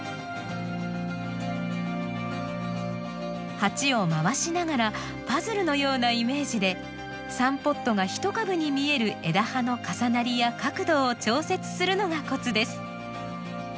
鉢を回しながらパズルのようなイメージで３ポットが１株に見える枝葉の重なりや角度を調節するのがコツです。